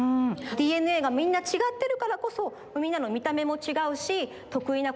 ＤＮＡがみんなちがってるからこそみんなのみためもちがうしとくいなこともちがう。